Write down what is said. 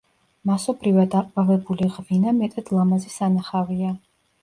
მასობრივად აყვავებული ღვინა მეტად ლამაზი სანახავია.